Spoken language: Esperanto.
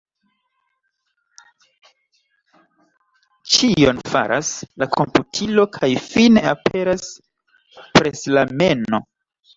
Ĉion faras la komputilo kaj fine aperas preslameno.